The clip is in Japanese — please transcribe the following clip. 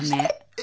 え